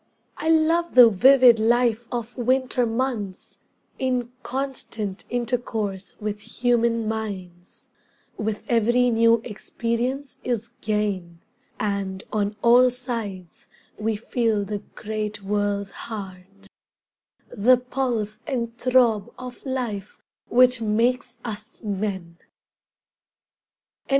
I love the vivid life of winter months In constant intercourse with human minds, When every new experience is gain And on all sides we feel the great world's heart; The pulse and throb of life which makes us men!